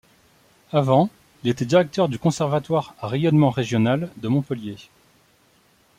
Avant, il était directeur du Conservatoire à rayonnement régional de Montpellier.